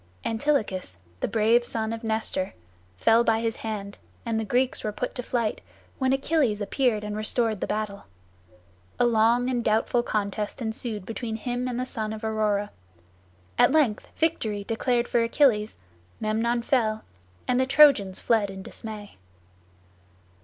Antilochus, the brave son of Nestor, fell by his hand, and the Greeks were put to flight, when Achilles appeared and restored the battle. A long and doubtful contest ensued between him and the son of Aurora; at length victory declared for Achilles, Memnon fell, and the Trojans fled in dismay.